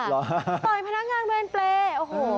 ต่อยพนักงานเวรเพลง